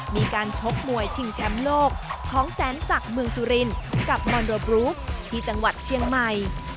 ชกมวยชิงแชมป์โลกของแสนศักดิ์เมืองสุรินกับมอนโดบรูฟที่จังหวัดเชียงใหม่